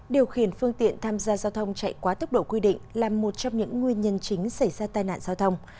điều khiển phương tiện tham gia giao thông chạy quá tốc độ quy định là một trong những nguyên nhân chính xảy ra tai nạn giao thông